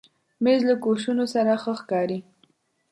مېز له کوشنو سره ښه ښکاري.